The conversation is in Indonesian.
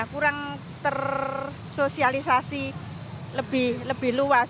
kurang tersosialisasi lebih luas